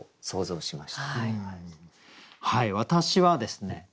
はい私はですね